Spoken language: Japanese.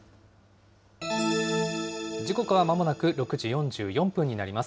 時刻はまもなく６時４４分になります。